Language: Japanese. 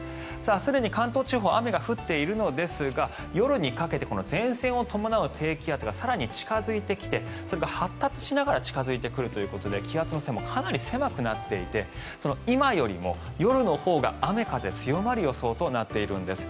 すでに関東地方雨が降っているんですが夜にかけて前線を伴う低気圧が更に近付いてきてそれが発達しながら近付いてくるということで気圧の線もかなり狭くなっていて今よりも夜のほうが雨風強まる予想となっているんです。